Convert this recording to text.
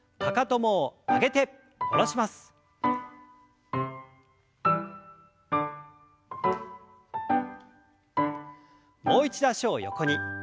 もう一度脚を横に。